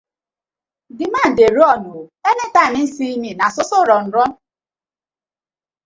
Di man dey run anytime im see mi no so so run.